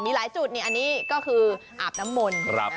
มีหลายจุดอันนี้ก็คืออาบน้ำมนต์